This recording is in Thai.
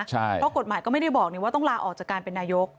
เพราะกฎหมายก็ไม่ได้บอกว่าต้องลาออกจากการเป็นนายก